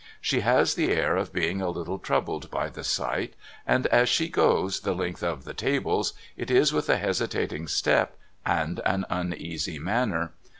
She has the air of being a little troubled by the sight, and, as she goes the length of the tables, it is with a hesitating step and an uneasy manner.